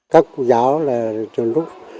các cô giáo là trường lúc